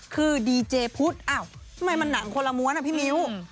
คือดีเจพุทธอ้าวทำไมมันหนังคนละม้วนอ่ะพี่มิ้ว